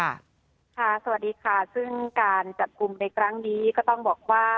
สวัสดีค่ะซึ่งการจับกลุ่มในครั้งนี้ก็ต้องบอกว่า